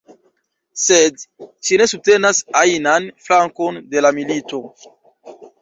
Sed ŝi ne subtenas ajnan flankon de la milito.